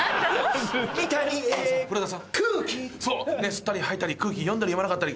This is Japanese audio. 吸ったり吐いたり空気読んだり読まなかったり。